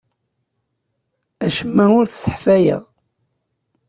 Acemma ur t-sseḥfayeɣ.